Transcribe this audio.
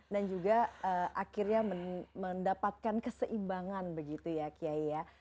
dan juga akhirnya mendapatkan keseimbangan begitu ya kyai ya